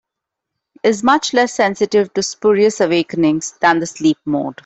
Is much less sensitive to spurious awakenings than the sleep mode.